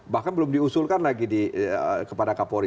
bahkan belum diusulkan lagi kepada kapolri